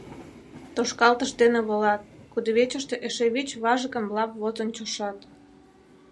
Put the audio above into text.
Тошкалтыш дене волат, кудывечыште эше вич важыкым лап возын чошат.